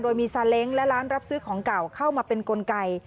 โดยมีซาเล้งและร้านรับซื้อของเก่าเข้ามาเป็นกลไก